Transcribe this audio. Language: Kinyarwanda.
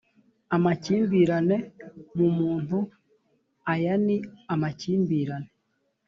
amakimbirane mu muntu aya ni amakimbirane